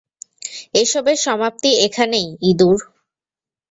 এসবের সমাপ্তি এখানেই, ইঁদুর।